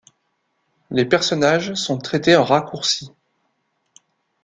Les personnages sont traités en raccourci.